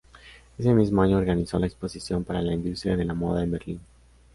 Ese mismo año organizó la Exposición para la Industria de la Moda en Berlín.